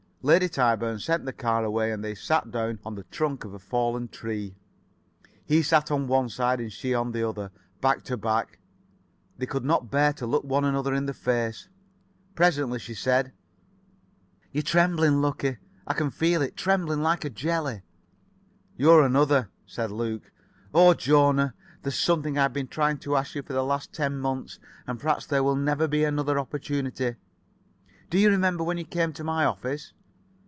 Lady Tyburn sent the car away, and they sat down on the trunk of a fallen tree. He sat on one side, and [Pg 63]she on the other, back to back. They could not bear to look one another in the face. Presently she said: "You're trembling, Lukie. I can feel it. Trembling. Like a jelly." "You're another," said Luke. "Oh, Jona. There's something I've been trying to ask you for the last ten months, and perhaps there will never be another opportunity. Do you remember when you came to my office?"